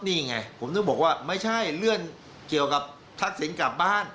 นี่ไงผมถึงบอกว่าไม่ใช่เลื่อนเกี่ยวกับทักษิณกลับบ้าน